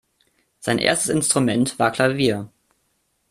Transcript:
Sein erstes Instrument war Klavier.